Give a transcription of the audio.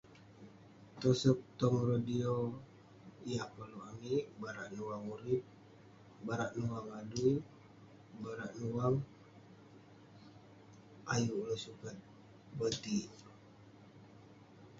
tosog tong radio, yah koluk amik..barak liwang urip, barak liwang adui..barak liwang..ayuk ulouk sukat botik.